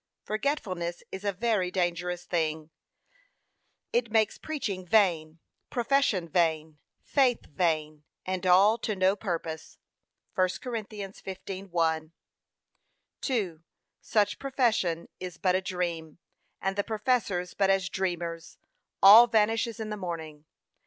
Forgetfulness is a very dangerous thing: it makes preaching vain, profession vain, faith vain, and all to no purpose. (1 Cor. 15:1, 2) Such profession is but a dream, and the professors but as dreamers: all vanishes in the morning.